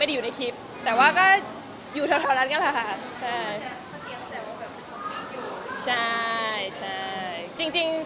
แล้วมันค่ายมาแถวนั้น